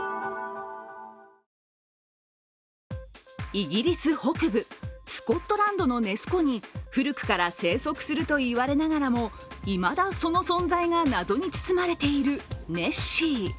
イギリス北部、スコットランドのネス湖に古くから生息するといわれながらもイマダ、その存在が謎に包まれているネッシー。